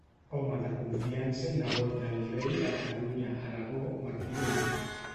Home de confiança i nebot del rei de Catalunya-Aragó Martí l'Humà.